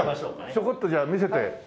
ちょこっとじゃあ見せて。